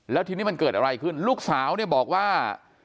แล้วทีนี้มันเกิดอะไรขึ้นลูกสาวเนี่ยบอกว่า